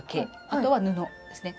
あとは布ですね